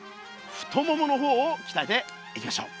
太ももの方をきたえていきましょう。